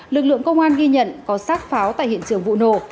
lực lượng công an ghi nhận có sát pháo tại hiện trường vụ nổ